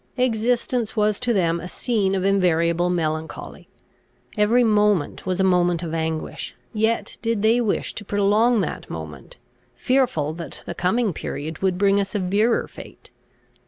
Existence was to them a scene of invariable melancholy; every moment was a moment of anguish; yet did they wish to prolong that moment, fearful that the coming period would bring a severer fate.